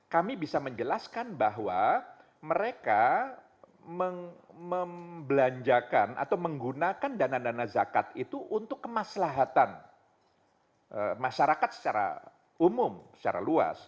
kami bisa menjelaskan bahwa mereka membelanjakan atau menggunakan dana dana zakat itu untuk kemaslahatan masyarakat secara umum secara luas